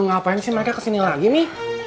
ngapain sih mereka kesini lagi nih